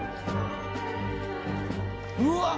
・うわっ！